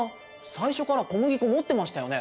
最初から小麦粉持ってましたよね？